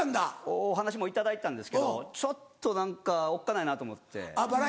お話も頂いてたんですけどちょっと何かおっかないなと思って。